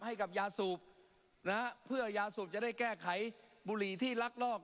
ให้กับยาสูบนะฮะเพื่อยาสูบจะได้แก้ไขบุหรี่ที่ลักลอบ